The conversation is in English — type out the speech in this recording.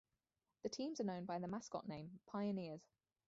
The teams are known by the mascot name "Pioneers".